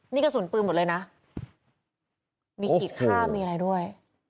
นี่กระสุนปืนหมดเลยนะมีขีดข้ามมีอะไรด้วย